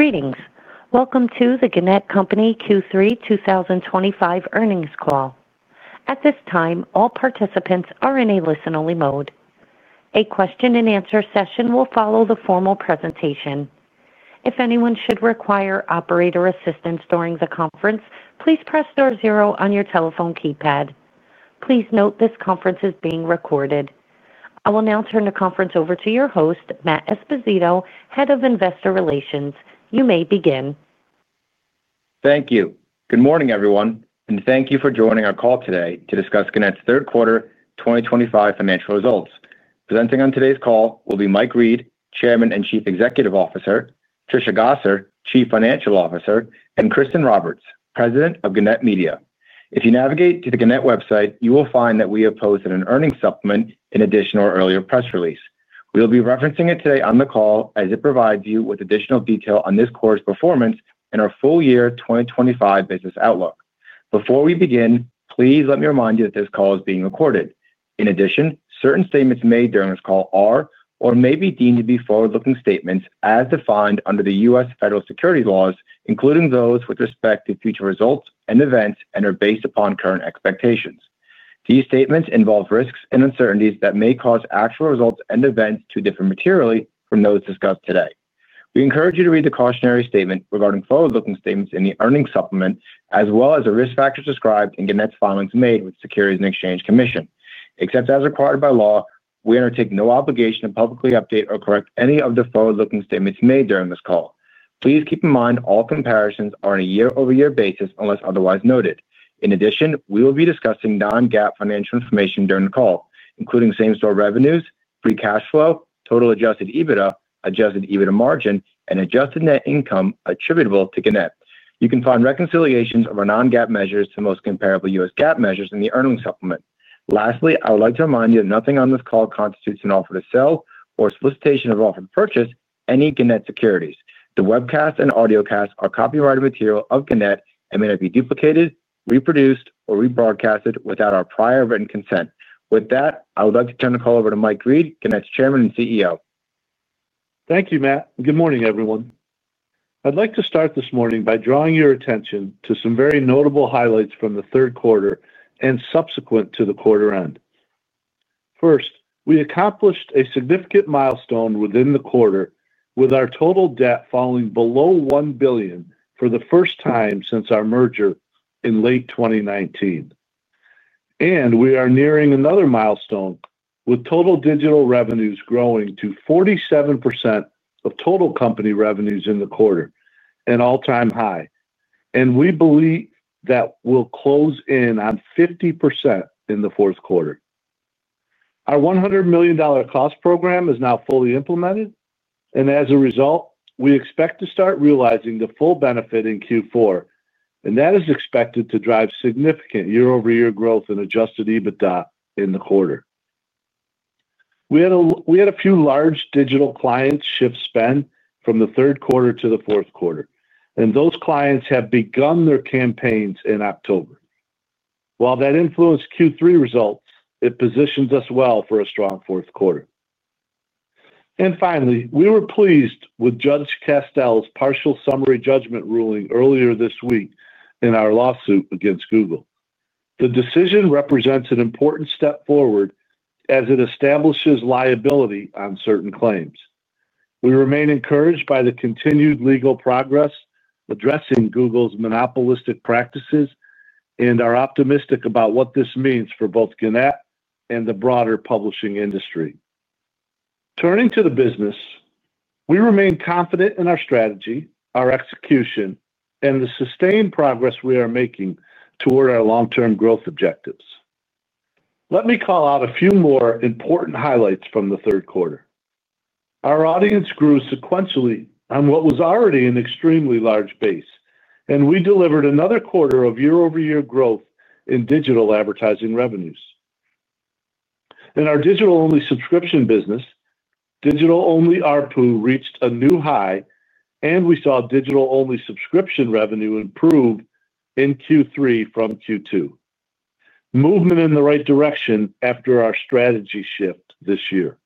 Greetings. Welcome to the Gannett Co Q3 2025 earnings call. At this time, all participants are in a listen-only mode. A question and answer session will follow the formal presentation. If anyone should require operator assistance during the conference, please press star zero on your telephone keypad. Please note this conference is being recorded. I will now turn the conference over to your host, Matt Esposito, Head of Investor Relations. You may begin. Thank you. Good morning everyone and thank you for joining our call today to discuss Gannett's third quarter 2025 financial results. Presenting on today's call will be Mike Reed, Chairman and Chief Executive Officer, Trisha Gosser, Chief Financial Officer, and Kristin Roberts, President of Gannett Media. If you navigate to the Gannett website, you will find that we have posted an earnings supplement in addition to our earlier press release. We will be referencing it today on the call as it provides you with additional detail on this quarter's performance and our full year 2025 business outlook. Before we begin, please let me remind you that this call is being recorded. In addition, certain statements made during this call are or may be deemed to be forward-looking statements as defined under the U.S. federal securities laws, including those with respect to future results and events and are based upon current expectations. These statements involve risks and uncertainties that may cause actual results and events to differ materially from those discussed today. We encourage you to read the cautionary statement regarding forward-looking statements in the earnings supplement as well as the risk factors described in Gannett's filings made with the Securities and Exchange Commission. Except as required by law, we undertake no obligation to publicly update or correct any of the forward-looking statements made during this call. Please keep in mind all comparisons are on a year-over-year basis unless otherwise noted. In addition, we will be discussing non-GAAP financial information during the call including same store revenues, free cash flow, total adjusted EBITDA, adjusted EBITDA margin, and adjusted net income attributable to Gannett. You can find reconciliations of our non-GAAP measures to most comparable U.S. GAAP measures in the earnings supplement. Lastly, I would like to remind you that nothing on this call constitutes an offer to sell or solicitation of offer to purchase any Gannett securities. The webcast and audio cast are copyrighted material of Gannett and may not be duplicated, reproduced, or rebroadcasted without our prior written consent. With that, I would like to turn the call over to Mike Reed, Gannett's Chairman and CEO. Thank you, Matt. Good morning everyone. I'd like to start this morning by drawing your attention to some very notable highlights from the third quarter and subsequent to the quarter end. First, we accomplished a significant milestone within the quarter with our total debt falling below $1 billion for the first time since our merger in late 2019. We are nearing another milestone with total digital revenues growing to 47% of total company revenues in the quarter, an all-time high, and we believe that will close in on 50% in the fourth quarter. Our $100 million cost program is now fully implemented, and as a result, we expect to start realizing the full benefit in Q4, and that is expected to drive significant year-over-year growth in adjusted EBITDA in the quarter. We had a few large digital clients shift spend from the third quarter to the fourth quarter, and those clients have begun their campaigns in October. While that influenced Q3 results, it positions us well for a strong fourth quarter. We were pleased with Judge Castel's partial summary judgment ruling earlier this week in our lawsuit against Google. The decision represents an important step forward as it establishes liability on certain claims. We remain encouraged by the continued legal progress addressing Google's monopolistic practices and are optimistic about what this means for both Gannett and the broader publishing industry. Turning to the business, we remain confident in our strategy, our execution, and the sustained progress we are making toward our long-term growth objectives. Let me call out a few more important highlights from the third quarter. Our audience grew sequentially on what was already an extremely large base, and we delivered another quarter of year-over-year growth in digital advertising revenues in our digital-only subscription business. Digital-only ARPU reached a new high, and we saw digital-only subscription revenue improve in Q3 from Q2, movement in the right direction after our strategy shift this year.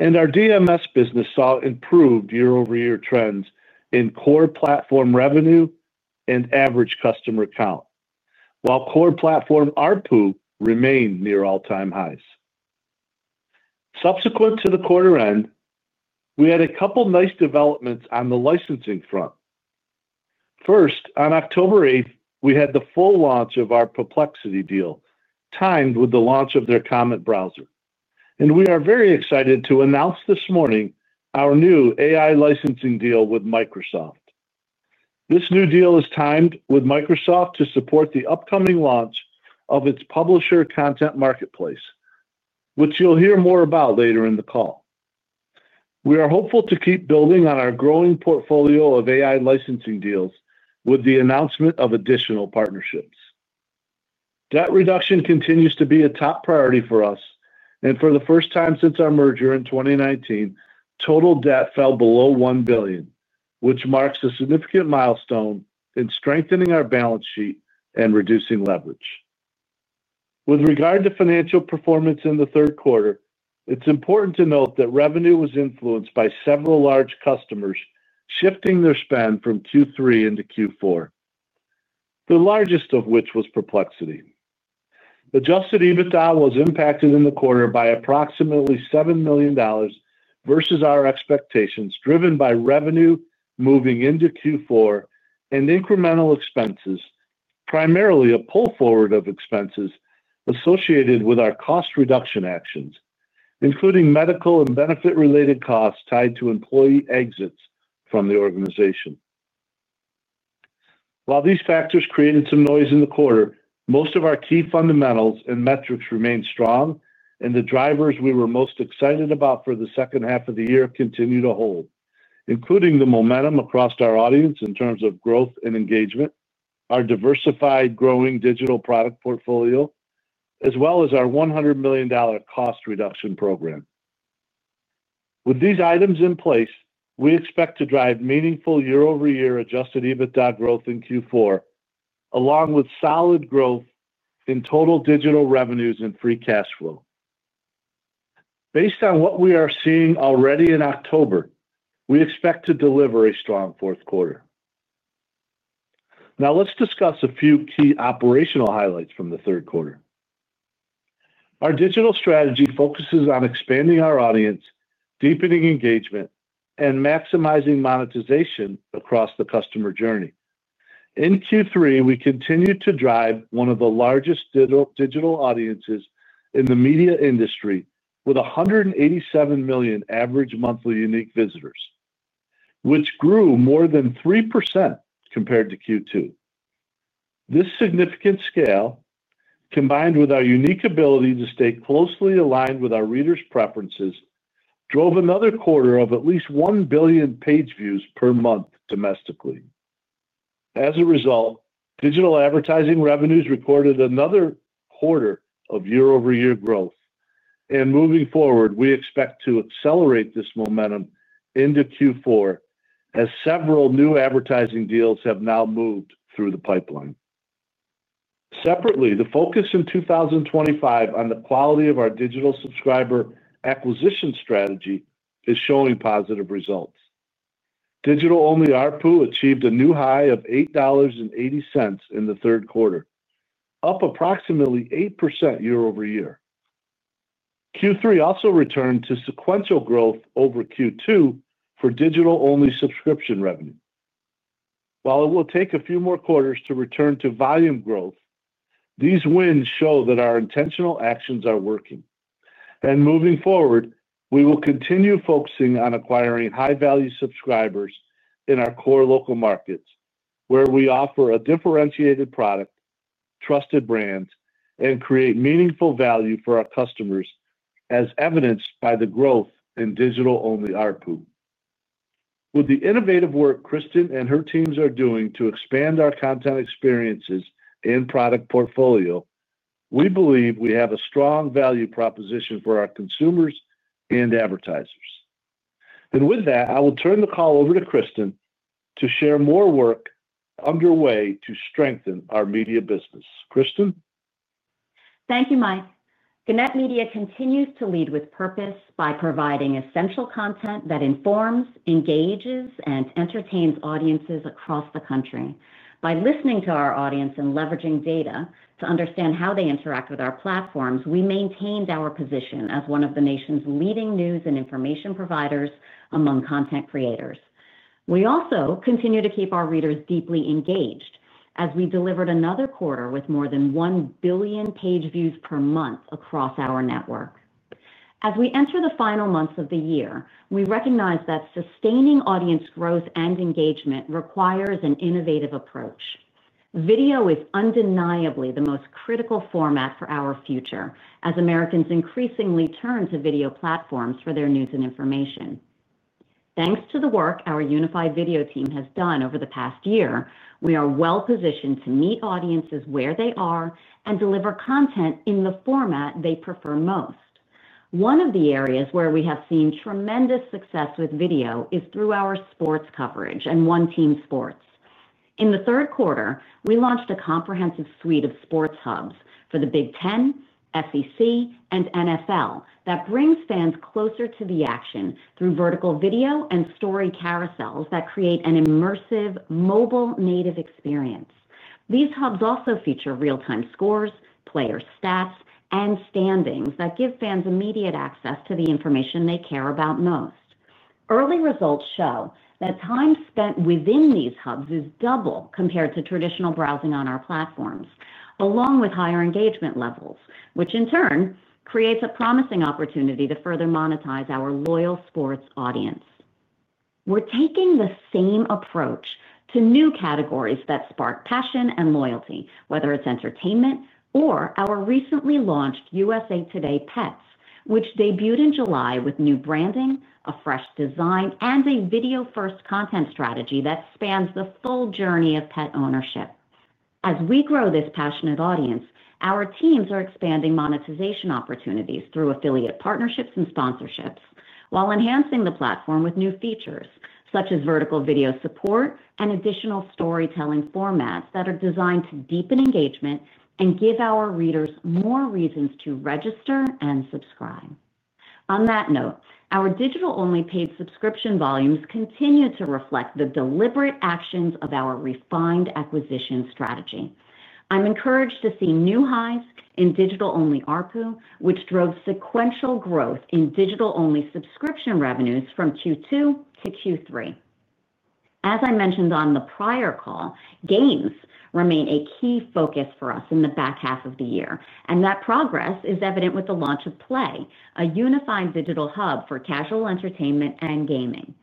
Our DMS business saw improved year-over-year trends in core platform revenue and average customer count, while core platform ARPU remained near all-time highs. Subsequent to the quarter end, we had a couple nice developments on the licensing front. On October 8, we had the full launch of our Perplexity deal timed with the launch of their comment browser, and we are very excited to announce this morning our new AI licensing deal with Microsoft. This new deal is timed with Microsoft to support the upcoming launch of its Publisher Content Marketplace, which you'll hear more about later in the call. We are hopeful to keep building on our growing portfolio of AI licensing deals with the announcement of additional partnerships. Debt reduction continues to be a top priority for us, and for the first time since our merger in 2019, total debt fell below $1 billion, which marks a significant milestone in strengthening our balance sheet and reducing leverage. With regard to financial performance in the third quarter, it's important to note that revenue was influenced by several large customers shifting their spend from Q3 into Q4, the largest of which was Perplexity. Adjusted EBITDA was impacted in the quarter by approximately $7 million versus our expectations, driven by revenue moving into Q4 and incremental expenses, primarily a pull forward of expenses associated with our cost reduction actions, including medical and benefit-related costs tied to employee exits from the organization. While these factors created some noise in the quarter, most of our key fundamentals and metrics remained strong, and the drivers we were most excited about for the second half of the year continue to hold, including the momentum across our audience in terms of growth and engagement, our diversified growing digital product portfolio, as well as our $100 million cost reduction program. With these items in place, we expect to drive meaningful year-over-year adjusted EBITDA growth in Q4 along with solid growth in total digital revenues and free cash flow. Based on what we are seeing already in October, we expect to deliver a strong fourth quarter. Now let's discuss a few key operational highlights from the third quarter. Our digital strategy focuses on expanding our audience and deepening engagement and maximizing monetization across the customer journey. In Q3, we continued to drive one of the largest digital audiences in the media industry with 187 million average monthly unique visitors, which grew more than 3% compared to Q2. This significant scale, combined with our unique ability to stay closely aligned with our readers' preferences, drove another quarter of at least 1 billion page views per month domestically. As a result, digital advertising revenues recorded another quarter of year-over-year growth, and moving forward, we expect to accelerate this momentum into Q4 as several new advertising deals have now moved through the pipeline. Separately, the focus in 2025 on the quality of our digital subscriber acquisition strategy is showing positive results. Digital-only ARPU achieved a new high of $8.80 in the third quarter, up approximately 8% year-over-year. Q3 also returned to sequential growth over Q2 for digital-only subscription revenue. While it will take a few more quarters to return to volume growth, these wins show that our intentional actions are working. Moving forward, we will continue focusing on acquiring high-value subscribers in our core local markets where we offer a differentiated product, trusted brands, and create meaningful value for our customers as evidenced by the growth in digital-only ARPU. With the innovative work Kristin and her teams are doing to expand our content experiences and product portfolio, we believe we have a strong value proposition for our consumers and advertisers. I will turn the call over to Kristin to share more work underway to strengthen our media business. Kristin, thank you. Gannett Media continues to lead with purpose by providing essential content that informs, engages, and entertains audiences across the country. By listening to our audience and leveraging data to understand how they interact with our platforms, we maintained our position as one of the nation's leading news and information providers among content creators. We also continue to keep our readers deeply engaged as we delivered another quarter with more than 1 billion page views per month across our network. As we enter the final months of the year, we recognize that sustaining audience growth and engagement requires an innovative approach. Video is undeniably the most critical format for our future as Americans increasingly turn to video platforms for their news and information. Thanks to the work our unified video team has done over the past year, we are well positioned to meet audiences where they are and deliver content in the format they prefer most. One of the areas where we have seen tremendous success with video is through our sports coverage and OneTEAM Sports. In the third quarter, we launched a comprehensive suite of sports hubs for the Big Ten, SEC, and NFL that brings fans closer to the action through vertical video and story carousels that create an immersive mobile native experience. These hubs also feature real-time scores, player stats, and standings that give fans immediate access to the information they care about most. Early results show that time spent within these hubs is double compared to traditional browsing on our platforms, along with higher engagement levels, which in turn creates a promising opportunity to further monetize our loyal sports audience. We're taking the same approach to new categories that spark passion and loyalty, whether it's entertainment or our recently launched USA TODAY Pets, which debuted in July with new branding, a fresh design, and a video-first content strategy that spans the full journey of pet ownership. As we grow this passionate audience, our teams are expanding monetization opportunities through affiliate partnerships and sponsorships while enhancing the platform with new features such as vertical video support and additional storytelling formats that are designed to deepen engagement and give our readers more reasons to register and subscribe. On that note, our digital-only paid subscription volumes continue to reflect the deliberate actions of our refined acquisition strategy. I'm encouraged to see new highs in digital-only ARPU, which drove sequential growth in digital-only subscription revenues from Q2-Q3. As I mentioned on the prior call, games remain a key focus for us in the back half of the year, and that progress is evident with the launch of PLAY, a unified digital hub for casual entertainment and gaming.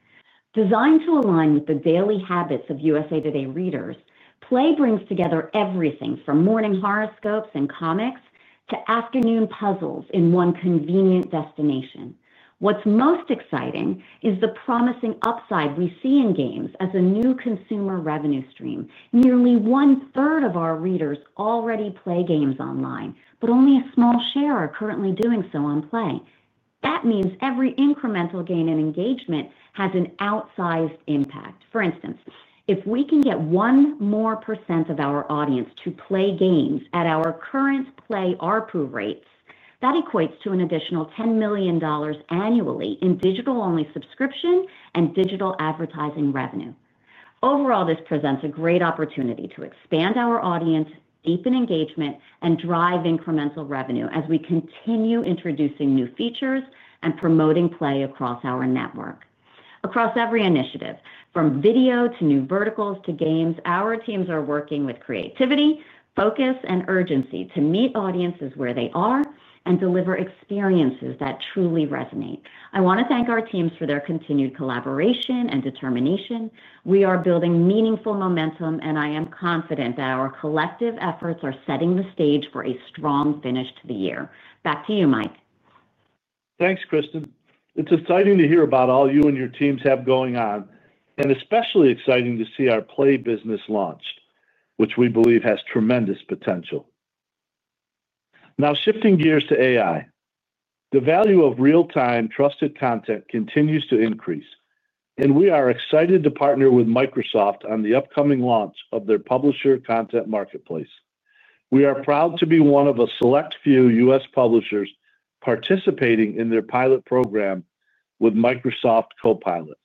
Designed to align with the daily habits of USA TODAY readers, PLAY brings together everything from morning horoscopes and comics to afternoon puzzles in one convenient destination. What's most exciting is the promising upside we see in games as a new consumer revenue stream. Nearly one third of our readers already play games online, but only a small share are currently doing so on PLAY. That means every incremental gain in engagement has an outsized impact. For instance, if we can get 1% more of our audience to play games at our current PLAY ARPU rates, that equates to an additional $10 million annually in digital-only subscription and digital advertising revenue. Overall, this presents a great opportunity to expand our audience, deepen engagement, and drive incremental revenue as we continue introducing new features and promoting PLAY across our network. Across every initiative from video to new verticals to games, our teams are working with creativity, focus, and urgency to meet audiences where they are and deliver experiences that truly resonate. I want to thank our teams for their continued collaboration and determination. We are building meaningful momentum and I am confident that our collective efforts are setting the stage for a strong finish to the year. Back to you, Mike. Thanks, Kristin. It's exciting to hear about all you and your teams have going on, and especially exciting to see our PLAY business launched, which we believe has tremendous potential. Now, shifting gears to AI, the value of real-time trusted content continues to increase, and we are excited to partner with Microsoft on the upcoming launch of their Publisher Content Marketplace. We are proud to be one of a select few U.S. publishers participating in their pilot program with Microsoft Copilot,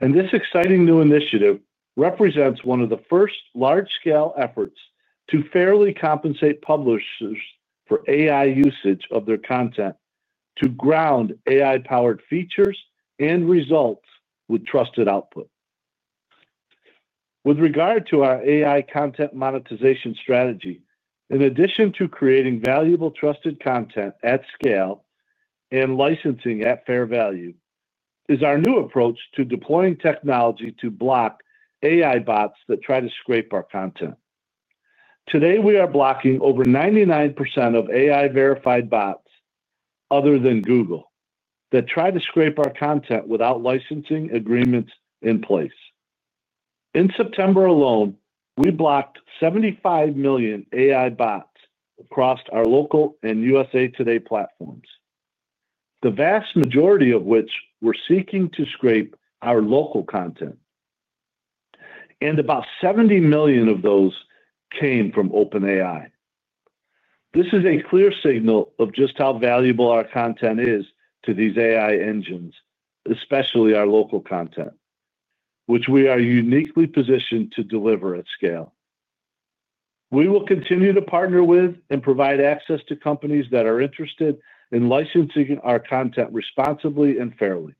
and this exciting new initiative represents one of the first large-scale efforts to fairly compensate publishers for AI usage of their content to ground AI-powered features and results with trusted output. With regard to our AI content monetization strategy, in addition to creating valuable, trusted content at scale and licensing at fair value, is our new approach to deploying technology to block AI bots that try to scrape our content. Today, we are blocking over 99% of AI-verified bots other than Google that try to scrape our content without licensing agreements in place. In September alone, we blocked 75 million AI bots across our local and USA TODAY platforms, the vast majority of which were seeking to scrape our local content, and about 70 million of those came from OpenAI. This is a clear signal of just how valuable our content is to these AI engines, especially our local content, which we are uniquely positioned to deliver at scale. We will continue to partner with and provide access to companies that are interested in licensing our content responsibly and fairly.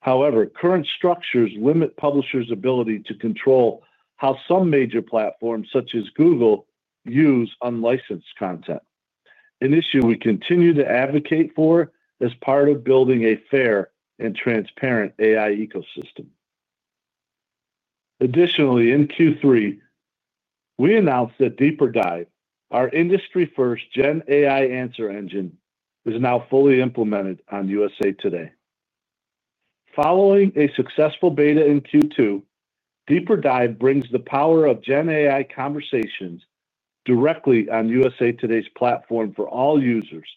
However, current structures limit publishers' ability to control how some major platforms such as Google use unlicensed content. Initially, we continue to advocate for as part of building a fair and transparent AI ecosystem. Additionally, in Q3 we announced that DeeperDive, our industry-first gen AI answer engine, is now fully implemented on USA TODAY following a successful beta in Q2. DeeperDive brings the power of gen AI conversations directly on USA TODAY's platform for all users,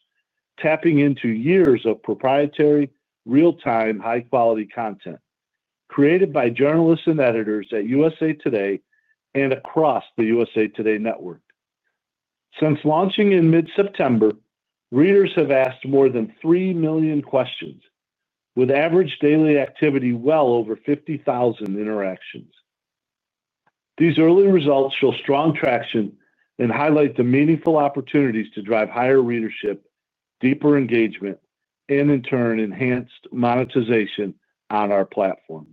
tapping into years of proprietary, real-time, high-quality content created by journalists and editors at USA TODAY and across the USA TODAY network. Since launching in mid-September, readers have asked more than 3 million questions, with average daily activity well over 50,000 interactions. These early results show strong traction and highlight the meaningful opportunities to drive higher readership, deeper engagement, and in turn enhanced monetization on our platform.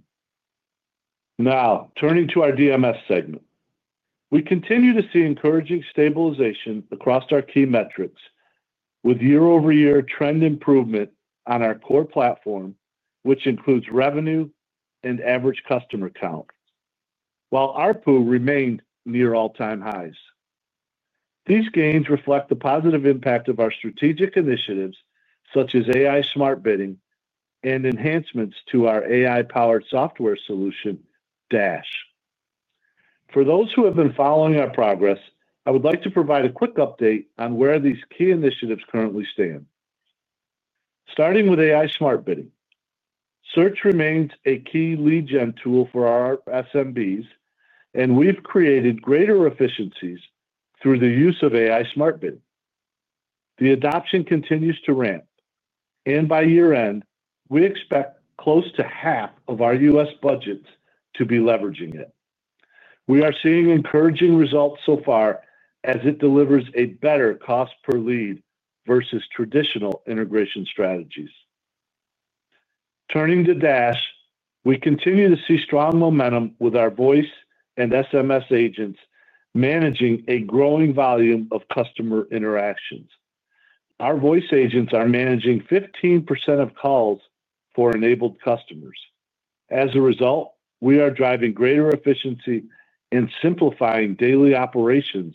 Now turning to our DMS segment, we continue to see encouraging stabilization across our key metrics with year-over-year trend improvement on our core platform, which includes revenue and average customer count, while ARPU remained near all-time highs. These gains reflect the positive impact of our strategic initiatives such as AI Smart Bidding and enhancements to our AI-powered software solution Dash. For those who have been following our progress, I would like to provide a quick update on where these key initiatives currently stand. Starting with AI smart bidding, search remains a key lead generation tool for our SMBs, and we've created greater efficiencies through the use of AI smart bid. The adoption continues to ramp, and by year-end we expect close to half of our U.S. budgets to be leveraging it. We are seeing encouraging results so far as it delivers a better cost per lead versus traditional integration strategies. Turning to Dash, we continue to see strong momentum with our voice and SMS agents managing a growing volume of customer interactions. Our voice agents are managing 15% of calls for enabled customers. As a result, we are driving greater efficiency and simplifying daily operations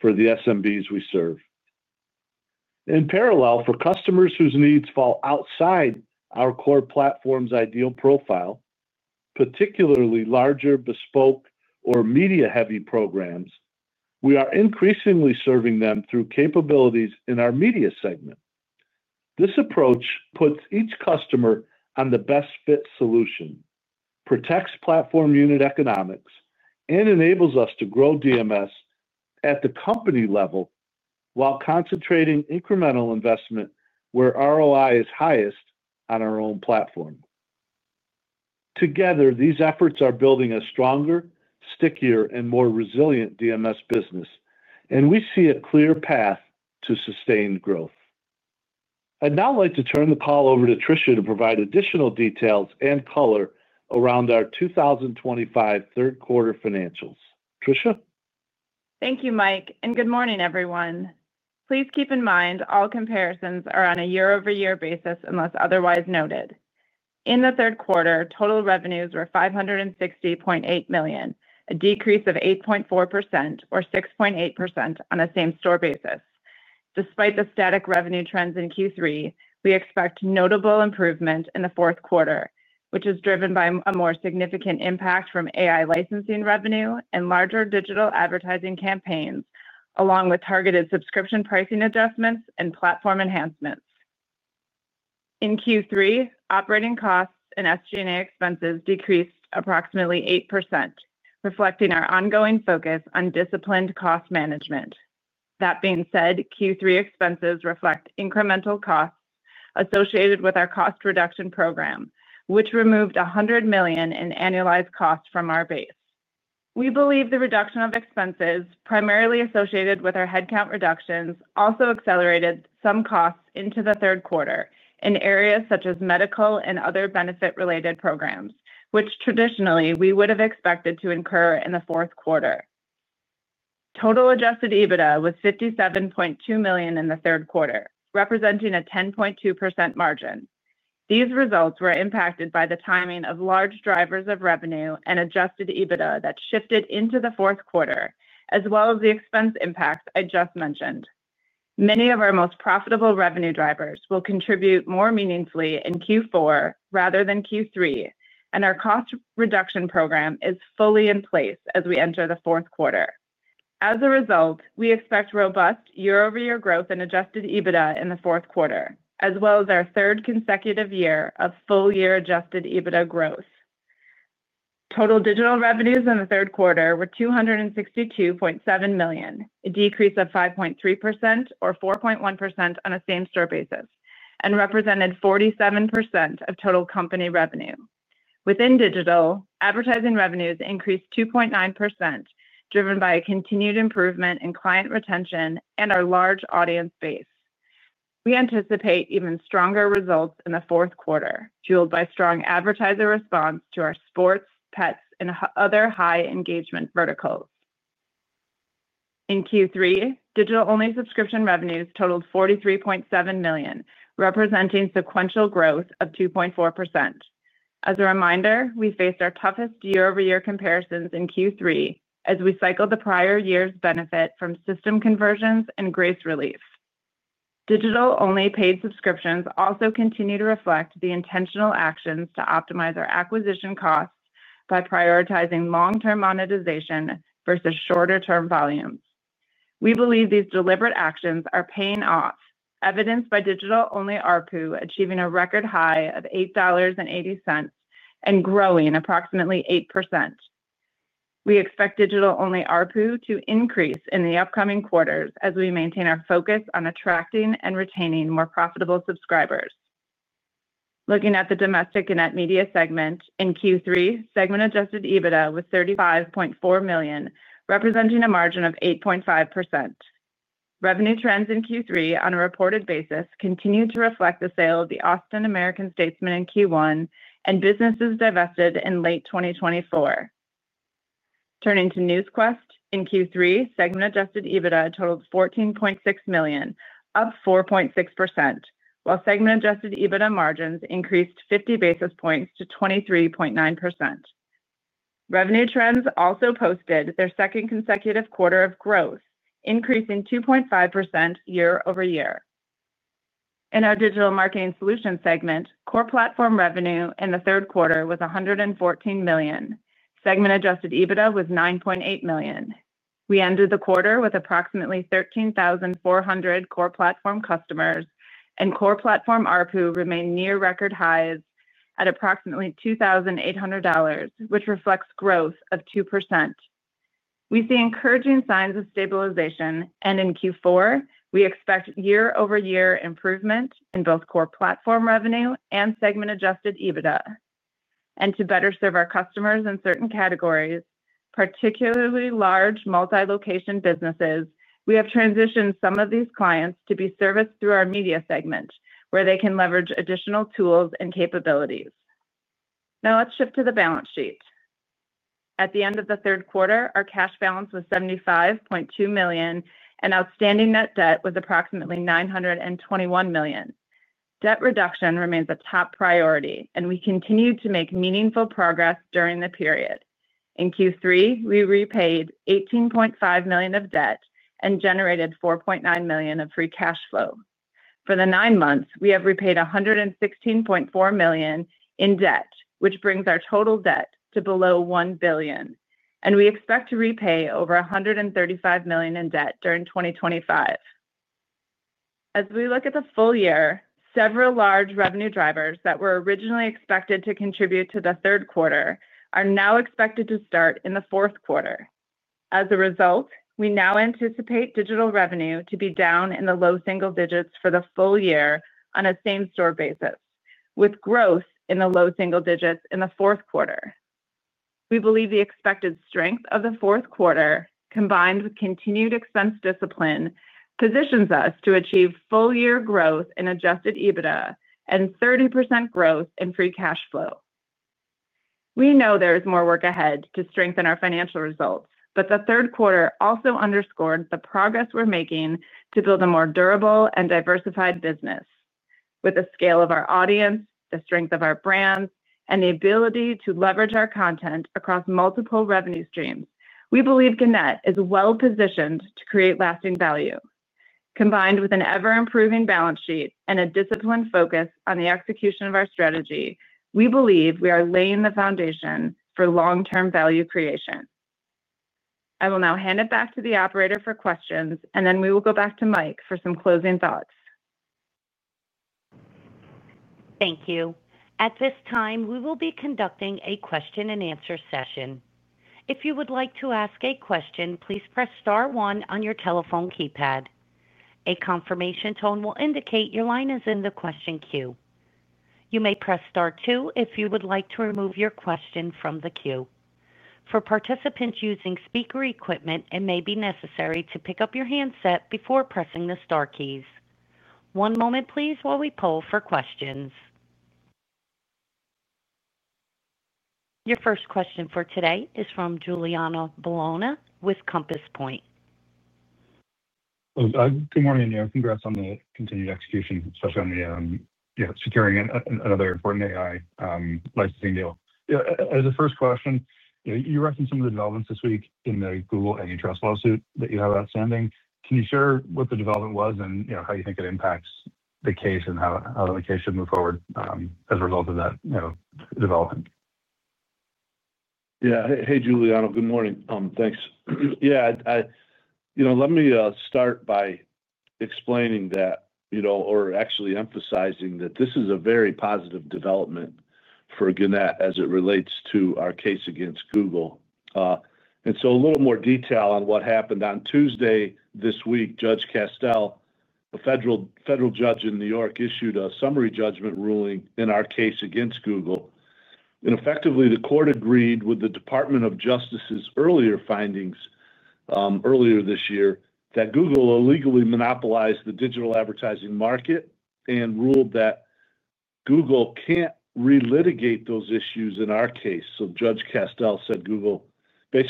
for the SMBs we serve. In parallel, for customers whose needs fall outside our core platform's ideal profile, particularly larger bespoke or media-heavy programs, we are increasingly serving them through capabilities in our media segment. This approach puts each customer on the best-fit solution, protects platform unit economics, and enables us to grow DMS at the company level while concentrating incremental investment where ROI is highest on our own platform. Together, these efforts are building a stronger, stickier, and more resilient DMS business, and we see a clear path to sustained growth. I'd now like to turn the call over to Trisha to provide additional details and color around our 2025 third quarter. Trisha, thank you, Mike, and good morning everyone. Please keep in mind all comparisons are on a year-over-year basis unless otherwise noted. In the third quarter, total revenues were $560.8 million, a decrease of 8.4% or 6.8% on a same store basis. Despite the static revenue trends in Q3, we expect notable improvement in the fourth quarter, which is driven by a more significant impact from AI licensing revenue and larger digital advertising campaigns, along with targeted subscription pricing adjustments and platform enhancements. In Q3, operating costs and SGA expenses decreased approximately 8%, reflecting our ongoing focus on disciplined cost management. That being said, Q3 expenses reflect incremental costs associated with our cost reduction program, which removed $100 million in annualized costs from our base. We believe the reduction of expenses, primarily associated with our headcount reductions, also accelerated some costs into the third quarter in areas such as medical and other benefit-related programs, which traditionally we would have expected to incur in the fourth quarter. Total adjusted EBITDA was $57.2 million in the third quarter, representing a 10.2% margin. These results were impacted by the timing of large drivers of revenue and adjusted EBITDA that shifted into the fourth quarter, as well as the expense impacts I just mentioned. Many of our most profitable revenue drivers will contribute more meaningfully in Q4 rather than Q3, and our cost reduction program is fully in place as we enter the fourth quarter. As a result, we expect robust year-over-year growth in adjusted EBITDA in the fourth quarter, as well as our third consecutive year of full-year adjusted EBITDA growth. Total digital revenues in the third quarter were $262.7 million, a decrease of 5.3% or 4.1% on a same store basis, and represented 47% of total company revenue. Within digital, advertising revenues increased 2.9%, driven by a continued improvement in client retention and our large audience base. We anticipate even stronger results in the fourth quarter, fueled by strong advertiser response to our sports, pets, and in other high engagement verticals. In Q3, digital-only subscription revenues totaled $43.7 million, representing sequential growth of 2.4%. As a reminder, we faced our toughest year-over-year comparisons in Q3 as we cycled the prior year's benefit from system conversions and grace relief. Digital-only paid subscriptions also continue to reflect the intentional actions to optimize our acquisition costs by prioritizing long-term monetization versus shorter-term volumes. We believe these deliberate actions are paying off, evidenced by digital-only ARPU achieving a record high of $8.80 and growing approximately 8%. We expect digital-only ARPU to increase in the upcoming quarters as we maintain our focus on attracting and retaining more profitable subscribers. Looking at the Domestic and Net Media segment in Q3, segment adjusted EBITDA was $35.4 million, representing a margin of 8.5%. Revenue trends in Q3 on a reported basis continued to reflect the sale of the Austin American-Statesman in Q1 and businesses divested in late 2024. Turning to Newsquest, in Q3 segment adjusted EBITDA totaled $14.6 million, up 4.6%, while segment adjusted EBITDA margins increased 50 basis points to 23.9%. Revenue trends also posted their second consecutive quarter of growth, increasing 2.5% year-over-year. In our Digital Marketing Solutions segment, core platform revenue in the third quarter was $114 million, segment adjusted EBITDA was $9.8 million. We ended the quarter with approximately 13,400 core platform customers, and core platform ARPU remained near record highs at approximately $2,800, which reflects growth of 2%. We see encouraging signs of stabilization and in Q4 we expect year-over-year improvement in both core platform revenue and segment adjusted EBITDA. To better serve our customers in certain categories, particularly large multi-location businesses, we have transitioned some of these clients to be serviced through our media segment where they can leverage additional tools and capabilities. Now let's shift to the balance sheet. At the end of the third quarter, our cash balance was $75.2 million and outstanding net debt was approximately $921 million. Debt reduction remains a top priority and we continue to make meaningful progress. During the period in Q3, we repaid $18.5 million of debt and generated $4.9 million of free cash flow. For the nine months, we have repaid $116.4 million in debt, which brings our total debt to below $1 billion, and we expect to repay over $135 million in debt during 2025. As we look at the full year, several large revenue drivers that were originally expected to contribute to the third quarter are now expected to start in the fourth quarter. As a result, we now anticipate digital revenue to be down in the low single digits for the full year on a same store basis, with growth in the low single digits in the fourth quarter. We believe the expected strength of the fourth quarter, combined with continued expense discipline, positions us to achieve full year growth in adjusted EBITDA and 30% growth in free cash flow. We know there is more work ahead to strengthen our financial results. The third quarter also underscored the progress we're making to build a more durable and diversified business. With the scale of our audience, the strength of our brands, and the ability to leverage our content across multiple revenue streams, we believe Gannett is well positioned to create lasting value. Combined with an ever improving balance sheet and a disciplined focus on the execution of our strategy, we believe we are laying the foundation for long term value creation. I will now hand it back to the operator for questions, and then we will go back to Mike for some closing thoughts. Thank you. At this time, we will be conducting a question and answer session. If you would like to ask a question, please press star one on your telephone keypad. A confirmation tone will indicate your line is in the question queue. You may press star two if you would like to remove your question from the queue. For participants using speaker equipment, it may be necessary to pick up your handset before pressing the star keys. One moment, please, while we poll for questions. Your first question for today is from Giuliano Bologna with Compass Point. Good morning. Congrats on the continued execution, especially on securing another important AI licensing deal. As a first question, you referenced some of the developments this week in the Google antitrust lawsuit that you have outstanding. Can you share what the development was and how you think it impacts the case and how the case should move forward as a result of that development? Yeah. Hey, Giuliano, good morning. Thanks. Let me start by explaining that, or actually emphasizing that this is a very positive development for Gannett as it relates to our case against Google. A little more detail on what happened on Tuesday this week. Judge Castel, a federal judge in New York, issued a summary judgment ruling in our case against Google. Effectively, the court agreed with the Department of Justice's earlier findings earlier this year that Google illegally monopolized the digital advertising market and ruled that Google can't relitigate those issues in our case. Judge Castel said Google can't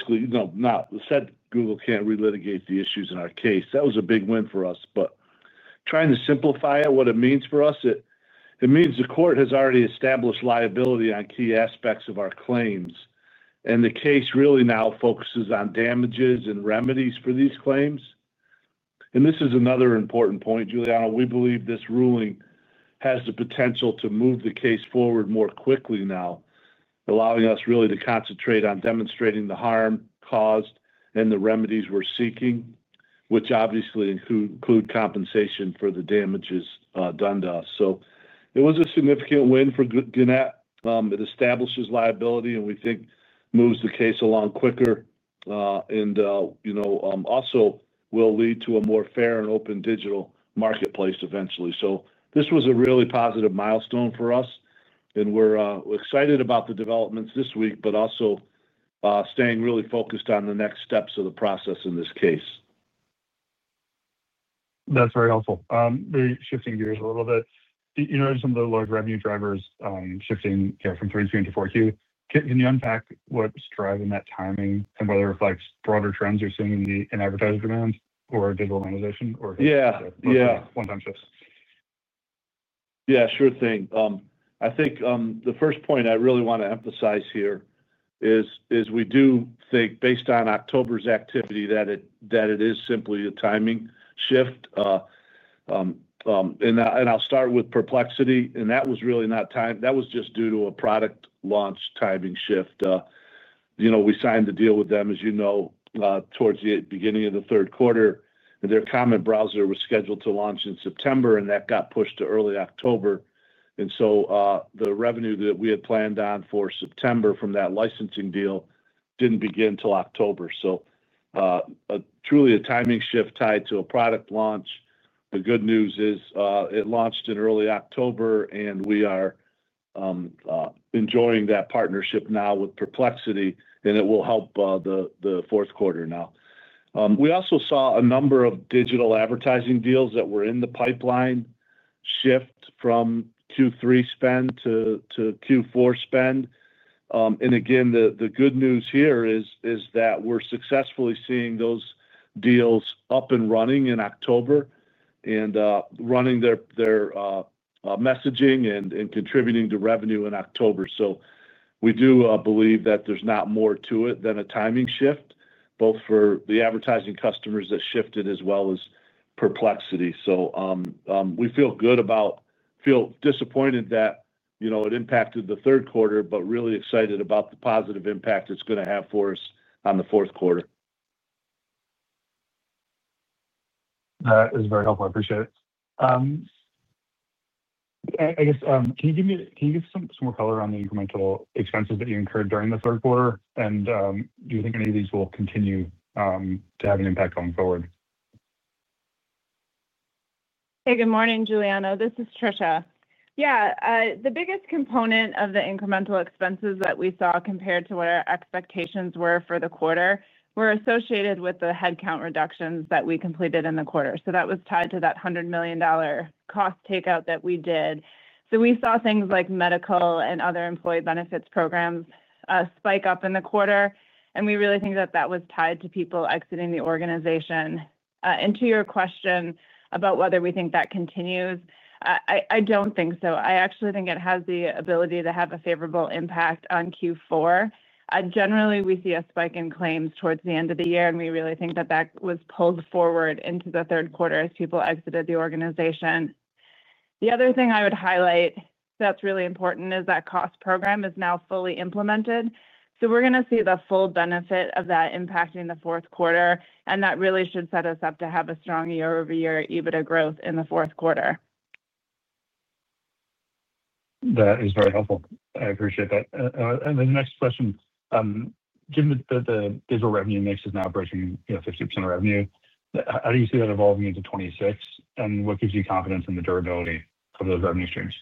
relitigate the issues in our case. That was a big win for us. Trying to simplify it, what it means for us is the court has already established liability on key aspects of our claims and the case really now focuses on damages and remedies for these claims. This is another important point, Giuliano. We believe this ruling has the potential to move the case forward more quickly now, allowing us to concentrate on demonstrating the harm caused and the remedies we're seeking, which obviously include compensation for the damages done to us. It was a significant win for Gannett. It establishes liability and we think moves the case along quicker and also will lead to a more fair and open digital marketplace eventually. This was a really positive milestone for us. We're excited about the developments this week, but also staying really focused on the next steps of the process in this case. That's very helpful. Shifting gears a little bit. You notice some of the large revenue drivers shifting from 3Q into 4Q. Can you unpack what's driving that timing and whether it's broader trends you're seeing in advertising demand or digital monetization or one-time shifts? Yeah, sure thing. I think the first point I really want to emphasize here is we do think based on October's activity that it is simply a timing shift. I'll start with Perplexity. That was really not time. That was just due to a product launch timing shift. We signed the deal with them, as you know, towards the beginning of the third quarter. Their comment browser was scheduled to launch in September, and that got pushed to early October. The revenue that we had planned on for September from that licensing deal didn't begin till October. It was truly a timing shift tied to a product launch. The good news is it launched in early October, and we are enjoying that partnership now with Perplexity, and it will help the fourth quarter. We also saw a number of digital advertising deals that were in the pipeline shift from Q3 spend to Q4 spend. The good news here is that we're successfully seeing those deals up and running in October and running their messaging and contributing to revenue in October. We do believe that there's not more to it than a timing shift, both for the advertising customers that shifted as well as Perplexity. We feel good about it, feel disappointed that it impacted the third quarter, but really excited about the positive impact it's going to have for us on the fourth quarter. That is very helpful. I appreciate it. Can you give some more color on the incremental expenses that you incurred during the third quarter? Do you think any of these will continue to have an impact going forward? Hey, good morning, Giuliano, this is Trisha. The biggest component of the incremental expenses that we saw compared to what our expectations were for the quarter were associated with the headcount reductions that we completed in the quarter. That was tied to that $100 million cost takeout that we did. We saw things like medical and other employee benefits programs spike up in the quarter, and we really think that was tied to people exiting the organization. To your question about whether we think that continues, I don't think so. I actually think it has the ability to have a favorable impact on Q4 generally. We see a spike in claims towards the end of the year, and we really think that was pulled forward into the third quarter as people exited the organization. The other thing I would highlight that's really important is that cost program is now fully implemented. We're going to see the full benefit of that impacting the fourth quarter, and that really should set us up to have a strong year-over-year EBITDA growth in the fourth quarter. That is very helpful. I appreciate that. The next question. Given that the digital revenue mix is now approaching 50% of revenue, how do you see that evolving into 2026 and what gives you confidence in the durability of those revenue streams?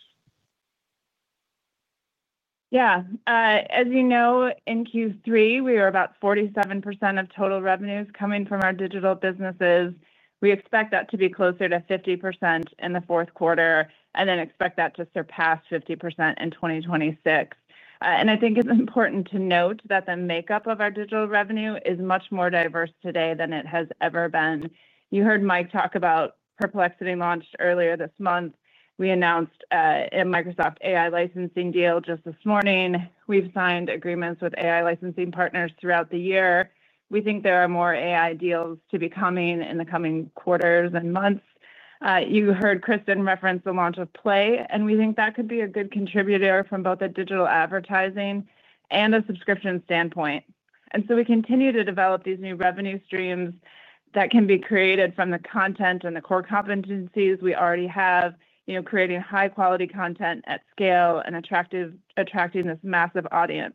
Yeah, as you know in Q3 we are about 47% of total revenues coming from our digital businesses. We expect that to be closer to 50% in the fourth quarter and then expect that to surpass 50% in 2026. I think it's important to note that the makeup of our digital revenue is much more diverse today than it has ever been. You heard Mike talk about Perplexity launched earlier this month. We announced a Microsoft AI licensing deal just this morning. We've signed agreements with AI licensing partners throughout the year. We think there are more AI deals to be coming in the coming quarters and months. You heard Kristin reference the launch of PLAY and we think that could be a good contributor from both a digital advertising and a subscription standpoint. We continue to develop these new revenue streams that can be created from the content and the core competencies we already have creating high quality content at scale and attracting this massive audience.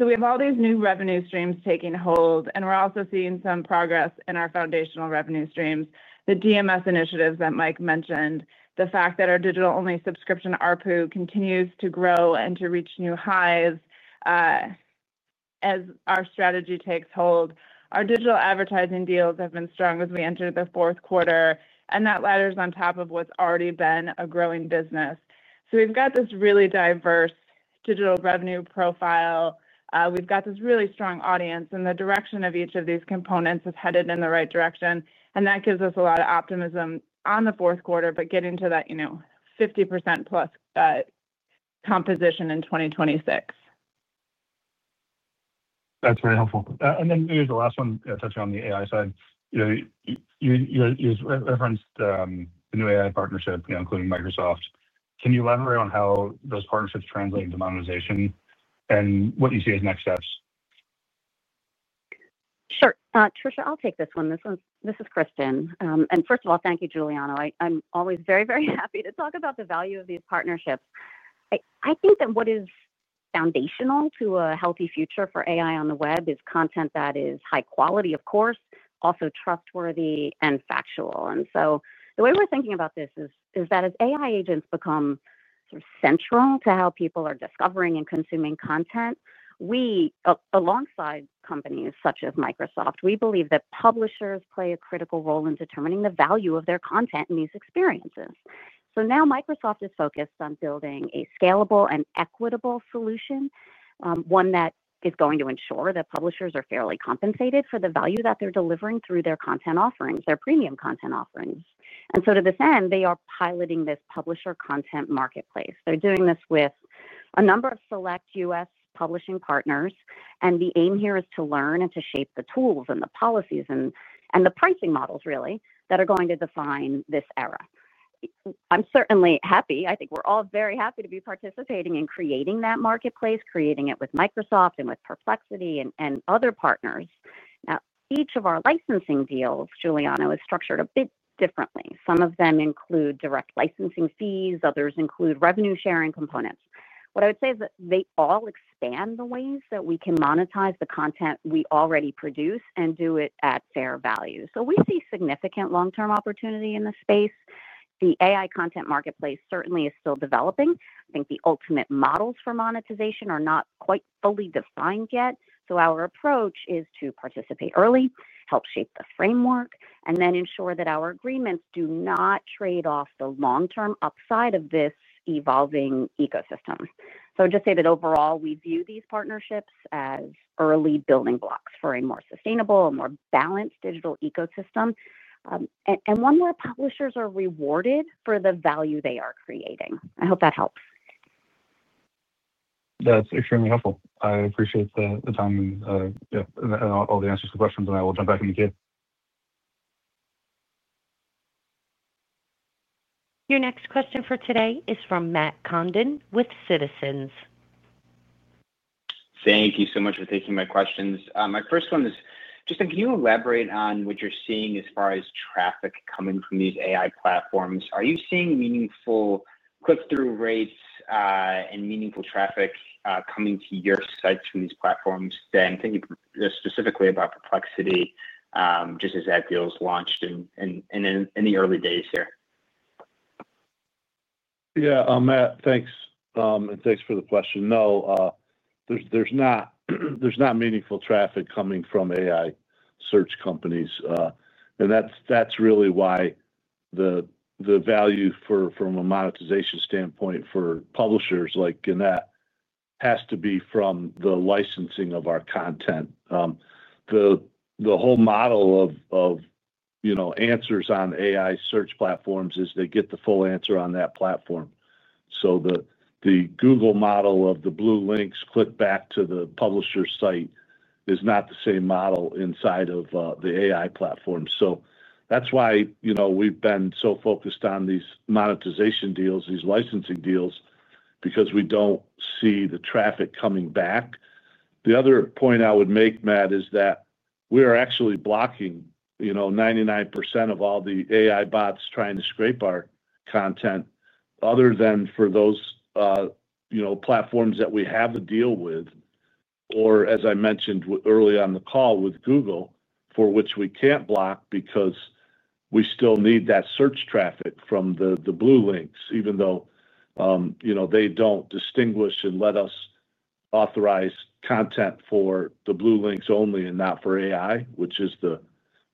We have all these new revenue streams taking hold and we're also seeing some progress in our foundational revenue streams, the DMS initiatives that Mike mentioned, the fact that our digital-only subscription ARPU continues to grow and to reach new highs as our strategy takes hold. Our digital advertising deals have been strong as we enter the fourth quarter and that ladders on top of what's already been a growing business. We've got this really diverse digital revenue profile, we've got this really strong audience and the direction of each of these components is headed in the right direction and that gives us a lot of optimism on the fourth quarter. Getting to that, you know, 50% plus that composition in 2026. That's very helpful. The last one, touching on the AI side, you referenced the new AI partnership, including Microsoft. Can you elaborate on how those partnerships translate into monetization and what you see as next steps? Sure, Trisha, I'll take this one. This is Kristin. First of all, thank you, Giuliano. I'm always very, very happy to talk about the value of these partnerships. I think that what is foundational to a healthy future for AI on the web is content that is high quality, of course, also trustworthy and factual. The way we're thinking about this is that as AI agents become central to how people are discovering and consuming content, we, alongside companies such as Microsoft, believe that publishers play a critical role in determining the value of their content and these experiences. Microsoft is focused on building a scalable and equitable solution, one that is going to ensure that publishers are fairly compensated for the value that they're delivering through their content offerings, their premium content offerings. To this end, they are piloting this Publisher Content Marketplace. They're doing this with a number of select U.S. publishing partners. The aim here is to learn and to shape the tools and the policies and the pricing models that are going to define this era. I'm certainly happy, I think we're all very happy to be participating in creating that marketplace, creating it with Microsoft and with Perplexity and other partners. Each of our licensing deals, Giuliano, is structured a bit differently. Some of them include direct licensing fees, others include revenue sharing components. What I would say is that they all expand the ways that we can monetize the content we already produce and do it at fair value. We see significant long term opportunity in this space. The AI content marketplace certainly is still developing. I think the ultimate models for monetization are not quite fully defined yet. Our approach is to participate early, help shape the framework, and then ensure that our agreements do not trade off the long term upside of this evolving ecosystem. Overall, we view these partnerships as early building blocks for a more sustainable, more balanced digital ecosystem and one where publishers are rewarded for the value they are creating. I hope that helps. That's extremely helpful. I appreciate the time, all the answers to questions, and I will jump back in the queue. Your next question for today is from Matt Condon with Citizens. Thank you so much for taking my questions. My first one is, just, can you elaborate on what you're seeing as far as traffic coming from these AI platforms? Are you seeing meaningful click-through rates and meaningful traffic coming to your sites from these platforms? I'm thinking specifically about Perplexity, just as a deal is launched in the early days here. Yeah, Matt, thanks and thanks for the question. No, there's not meaningful traffic coming from AI search companies. That's really why the value from a monetization standpoint for publishers like Gannett has to be from the licensing of our content. The whole model of, you know, answers on AI search platforms is they get the full answer on that platform. The Google model of the blue links, click back to the publisher site, is not the same model inside of the AI platform. That's why we've been so focused on these monetization deals, these licensing deals, because we don't see the traffic coming back. The other point I would make, Matt, is that we are actually blocking 99% of all the AI bots trying to scrape our content, other than for those platforms that we have a deal with or, as I mentioned early on the call, with Google, for which we can't block because we still need that search traffic from the blue links, even though they don't distinguish and let us authorize content for the blue links only and not for AI, which is the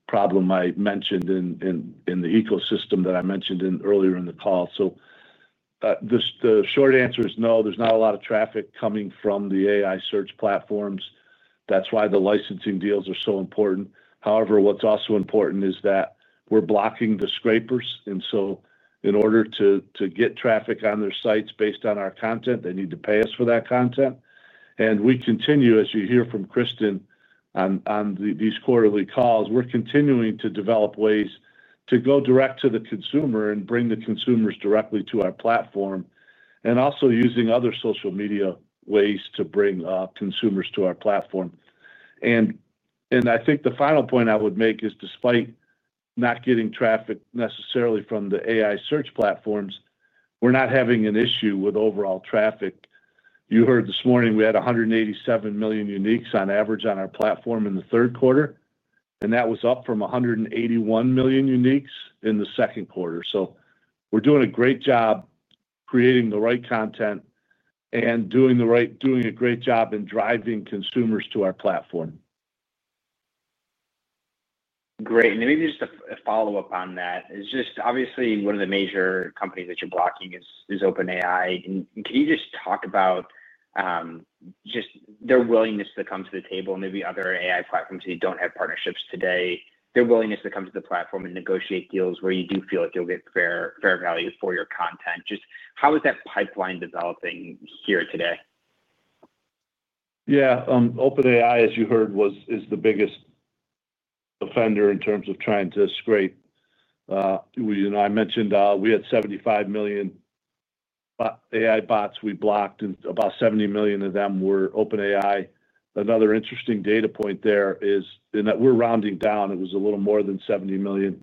problem I mentioned in the ecosystem that I mentioned earlier in the call. The short answer is no, there's not a lot of traffic coming from the AI search platforms. That's why the licensing deals are so important. However, what's also important is that we're blocking the scrapers. In order to get traffic on their sites based on our content, they need to pay us for that content. We continue, as you hear from Kristin on these quarterly calls, to develop ways to go direct to the consumer and bring the consumers directly to our platform and also using other social media ways to bring consumers to our platform. I think the final point I would make is despite not getting traffic necessarily from the AI search platforms, we're not having an issue with overall traffic. You heard this morning we had 187 million uniques on average on our platform in the third quarter, and that was up from 181 million uniques in the second quarter. We're doing a great job creating the right content and doing a great job in driving consumers to our platform. Great. Maybe just a follow up on that. Obviously, one of the major companies that you're blocking is OpenAI. Can you talk about their willingness to come to the table, maybe other AI platforms who don't have partnerships today, their willingness to come to the platform and negotiate deals where you do feel like you'll get fair value for your content? How is that pipeline developing here today? Yeah, OpenAI, as you heard, is the biggest offender in terms of trying to scrape. I mentioned we had 75 million AI bots we blocked and about 70 million of them were OpenAI. Another interesting data point there is that we're rounding down, it was a little more than 70 million,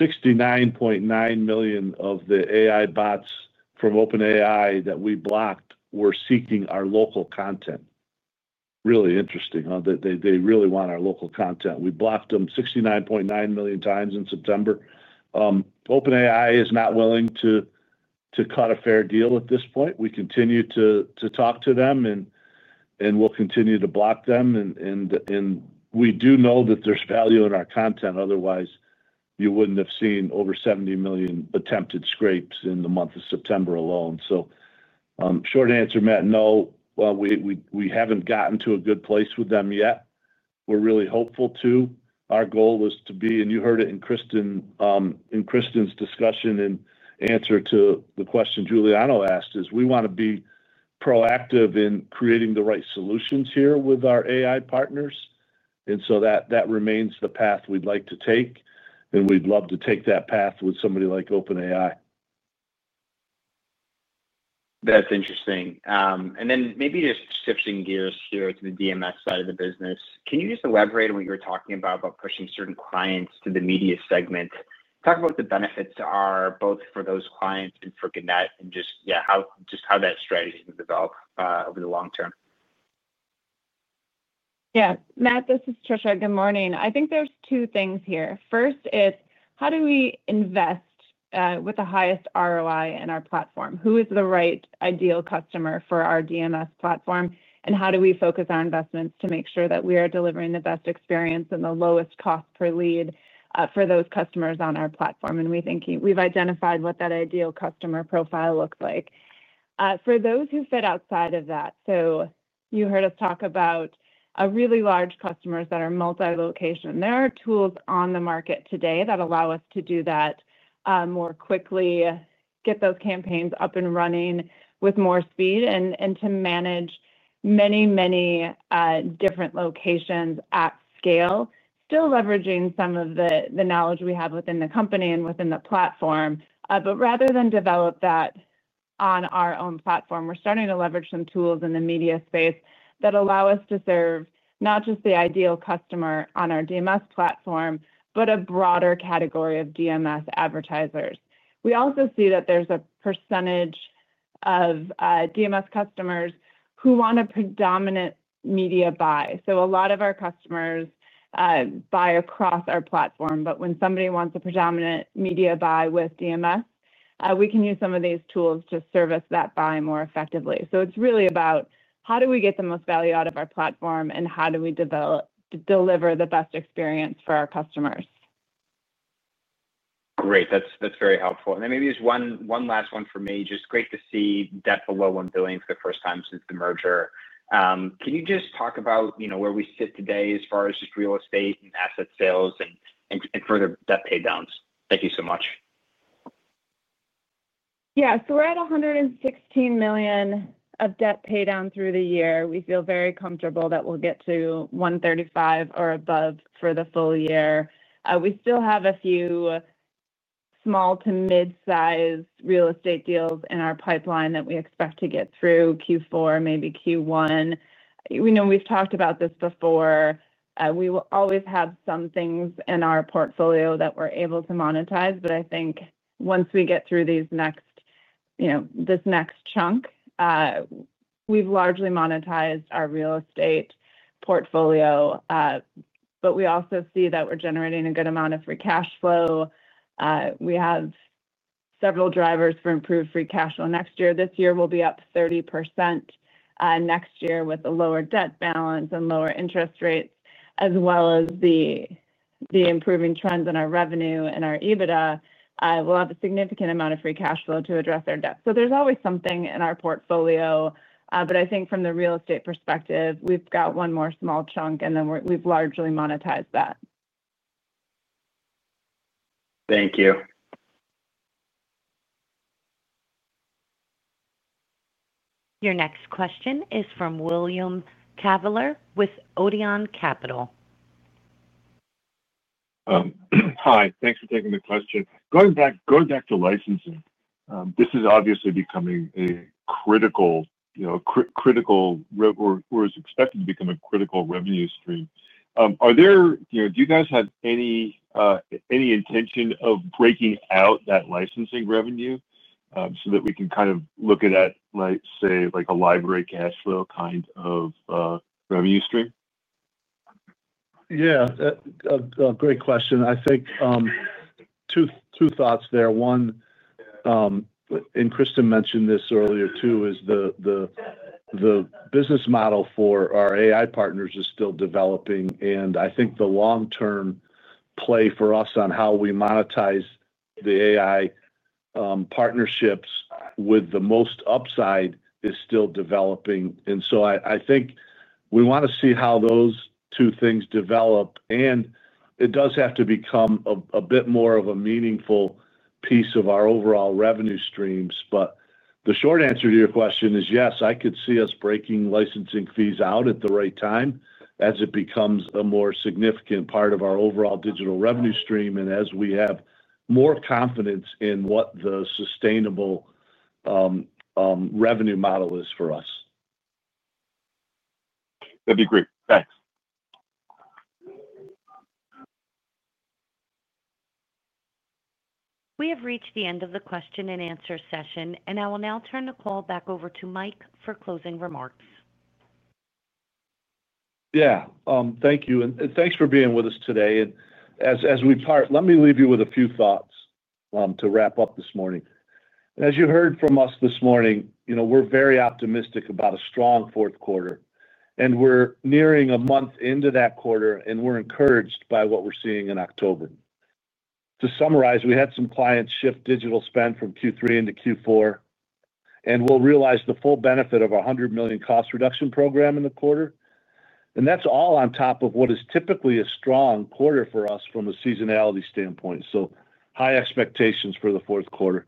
69.9 million of the AI bots from OpenAI that we blocked were seeking our local content. Really interesting. They really want our local content. We blocked them 69.9 million times in September. OpenAI is not willing to cut a fair deal at this point. We continue to talk to them and we'll continue to block them. We do know that there's value in our content. Otherwise, you wouldn't have seen over 70 million attempted scrapes in the month of September alone. Short answer, Matt. No, we haven't gotten to a good place with them yet. We're really hopeful to. Our goal was to be, and you heard it in Kristin's discussion and answer to the question Giuliano asked, we want to be proactive in creating the right solutions here with our AI partners. That remains the path we'd like to take and we'd love to take that path with somebody like OpenAI. That's interesting, and then maybe just shifting gears here to the DMS side of the business, can you just elaborate on what you were talking about, certain clients to the media segment? Talk about the benefits for both those clients and for Gannett, and just how that strategy can develop over the long term. Yeah, Matt, this is Trisha. Good morning. I think there's two things here. First is how do we invest with the highest ROI in our platform? Who is the right ideal customer for our DMS platform, and how do we focus our investments to make sure that we are delivering the best experience and the lowest cost per lead for those customers on our platform? We think we've identified what that ideal customer profile looks like for those who fit outside of that. You heard us talk about really large customers that are multi-location. There are tools on the market today that allow us to do that more quickly, get those campaigns up and running with more speed, and to manage many, many different locations at scale, still leveraging some of the knowledge we have within the company and within the platform. Rather than develop that on our own platform, we're starting to leverage some tools in the media space that allow us to serve not just the ideal customer on our DMS platform, but a broader category of DMS advertisers. We also see that there's a percentage of DMS customers who want a predominant media buy. A lot of our customers buy across our platform, but when somebody wants a predominant media buy with DMS, we can use some of these tools to service that buy more effectively. It's really about how do we get the most value out of our platform and how do we deliver the best experience for our customers. Great, that's very helpful. Maybe there's one last one for me. It's great to see debt below $1 billion for the first time since the merger. Can you talk about where we sit today as far as real estate and asset sales and further debt paydowns? Thank you so much. Yeah, so we're at $116 million of debt pay down through the year. We feel very comfortable that we'll get to $135 million or above for the full year. We still have a few small to mid-size real estate deals in our pipeline that we expect to get through Q4, maybe Q1. We've talked about this before, we will always have some things in our portfolio that we're able to monetize. I think once we get through this next chunk, we've largely monetized our real estate portfolio. We also see that we're generating a good amount of free cash flow. We have several drivers for improved free cash flow next year. This year we'll be up 30% next year with a lower debt balance and lower interest rates, as well as the improving trends in our revenue and our EBITDA, we'll have a significant amount of free cash flow to address our debt. There's always something in our portfolio, but I think from the real estate perspective, we've got one more small chunk and then we've largely monetized that. Thank you. Your next question is from William Kavaler with Odeon Capital. Hi, thanks for taking the question. Going back to licensing, this is obviously becoming a critical, you know, critical, or is expected to become a critical revenue stream. Are there, you know, do you guys have any intention of breaking out that licensing revenue so that we can kind of look at that like, say, like a library cash flow kind of revenue stream? Yeah, great question. I think two thoughts there. One, and Kristin mentioned this earlier too, is the business model for our AI partners is still developing. I think the long term play for us on how we monetize the AI partnerships with the most upside is still developing. I think we want to see how those two things develop. It does have to become a bit more of a meaningful piece of our overall revenue streams. The short answer to your question is yes. I could see us breaking licensing fees out at the right time as it becomes a more significant part of our overall digital revenue stream and as we have more confidence in what the sustainable revenue model is for us. That'd be great. Thanks. We have reached the end of the question and answer session, and I will now turn the call back over to Mike for closing remarks. Thank you and thanks for being with us today. As we part, let me leave you with a few thoughts to wrap up this morning. As you heard from us this morning, we're very optimistic about a strong fourth quarter and we're nearing a month into that quarter and we're encouraged by what we're seeing in October. To summarize, we had some clients shift digital spend from Q3 into Q4 and we'll realize the full benefit of our $100 million cost reduction program in the quarter. That's all on top of what is typically a strong quarter for us from a seasonality standpoint. We have high expectations for the fourth quarter.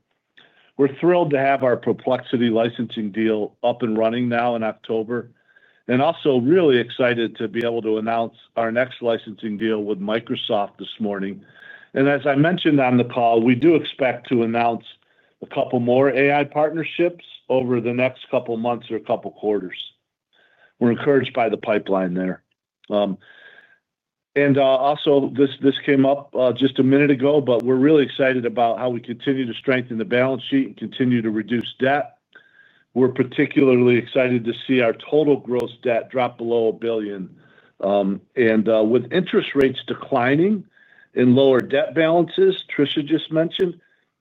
We're thrilled to have our Perplexity licensing deal up and running now in October and also really excited to be able to announce our next licensing deal with Microsoft this morning. As I mentioned on the call, we do expect to announce a couple more AI partnerships over the next couple months or a couple quarters. We're encouraged by the pipeline there. This came up just a minute ago, but we're really excited about how we continue to strengthen the balance sheet and continue to reduce debt. We're particularly excited to see our total gross debt drop below $1 billion and with interest rates declining and lower debt balances, as Trisha just mentioned,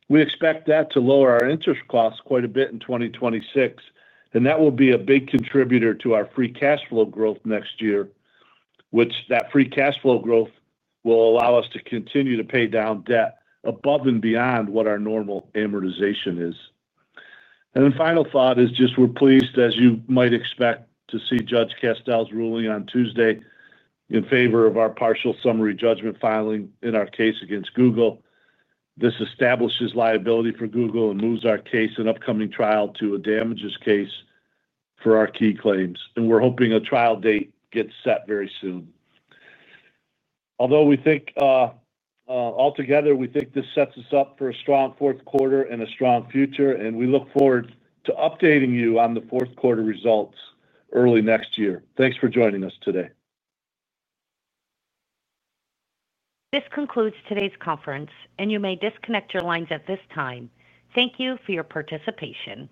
we expect that to lower our interest costs quite a bit in 2026 and that will be a big contributor to our free cash flow growth next year, which that free cash flow growth will allow us to continue to pay down debt above and beyond what our normal amortization is. The final thought is just we're pleased, as you might expect, to see Judge Castel's ruling on Tuesday in favor of our partial summary judgment filing in our case against Google. This establishes liability for Google and moves our case, an upcoming trial, to a damages case for our key claims. We're hoping a trial date gets set very soon. Altogether, we think this sets us up for a strong fourth quarter and a strong future. We look forward to updating you on the fourth quarter results early next year. Thanks for joining us today. This concludes today's conference, and you may disconnect your lines at this time. Thank you for your participation.